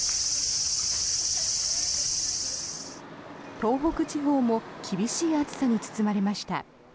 東北地方も厳しい暑さに包まれました。